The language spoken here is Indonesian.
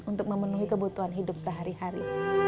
untuk memenuhi kebutuhan hidup sehari hari